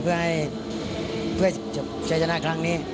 เพื่อให้เพื่อจะชนะครั้งนี้